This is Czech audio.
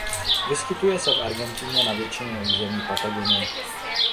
Vyskytuje se v Argentině na většině území Patagonie.